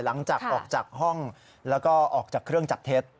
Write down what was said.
หลังจากออกจากห้องแล้วก็ออกจากเครื่องจับเท็จ